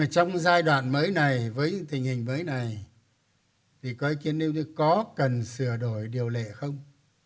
trong giai đoạn mới này với tình hình mới này thì có ý kiến như thế có cần sửa đổi điều lệ không